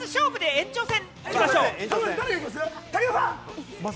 延長戦。